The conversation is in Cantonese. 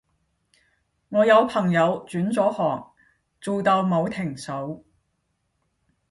我有朋友轉咗行做到冇停手